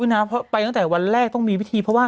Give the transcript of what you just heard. น้ำเพราะไปตั้งแต่วันแรกต้องมีวิธีเพราะว่า